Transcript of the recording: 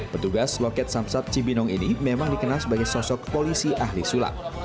petugas loket samsat cibinong ini memang dikenal sebagai sosok polisi ahli sulap